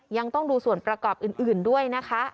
ยังต้องดูส่วนประกอบอื่นด้วยนะคะ